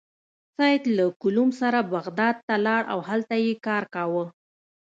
سید له کلوم سره بغداد ته لاړ او هلته یې کار کاوه.